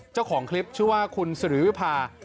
เจ้าของคลิปชื่อว่าคุณสิริวิพา